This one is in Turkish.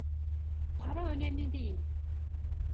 Para önemli değil.